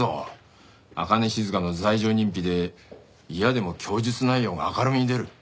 朱音静の罪状認否で嫌でも供述内容が明るみに出る。